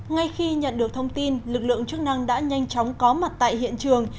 ngay khi nhận được thông tin lực lượng chức năng đã nhanh chóng có mặt tại hiện trường